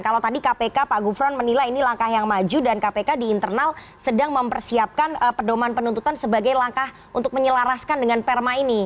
kalau tadi kpk pak gufron menilai ini langkah yang maju dan kpk di internal sedang mempersiapkan pedoman penuntutan sebagai langkah untuk menyelaraskan dengan perma ini